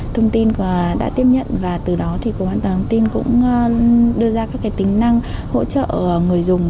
thông tin đã tiếp nhận và từ đó cổng thông tin cũng đưa ra các tính năng hỗ trợ người dùng